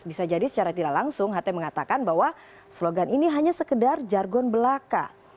bisa jadi secara tidak langsung ht mengatakan bahwa slogan ini hanya sekedar jargon belaka